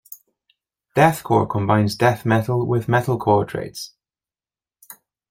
Deathcore combines death metal with metalcore traits.